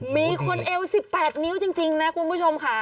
มีคนเอว๑๘นิ้วจริงนะคุณผู้ชมค่ะ